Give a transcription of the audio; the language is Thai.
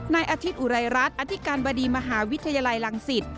นายอาทิตย์อุไรรัฐอธิการบดีมหาวิทยาลัยลังศิษย์